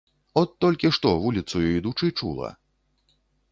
От толькі што, вуліцаю ідучы, чула.